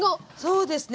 そうですね。